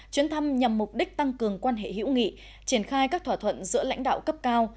chuyến thăm nhằm mục đích tăng cường quan hệ hữu nghị triển khai các thỏa thuận giữa lãnh đạo cấp cao